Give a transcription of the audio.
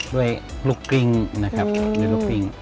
ด้วยลูกกริ้งนะครับด้วยลูกกริ้ง